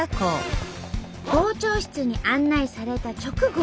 校長室に案内された直後。